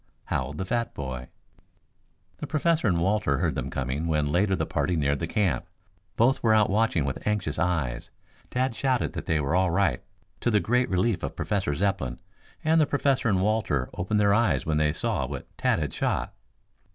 howled the fat boy. The Professor and Walter heard them coming when later the party neared the camp. Both were out watching with anxious eyes. Tad shouted that they were all right, to the great relief of Professor Zepplin, and the Professor and Walter opened their eyes when they saw what Tad had shot.